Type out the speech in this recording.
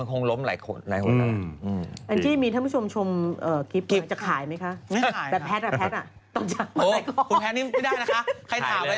โอ้คุณแพทย์นี่ไม่ได้นะคะใครถามว่าจะขายหมดนะคะ